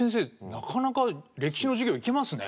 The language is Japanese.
なかなか歴史の授業いけますね。